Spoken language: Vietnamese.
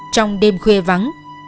trong đêm khuya vắng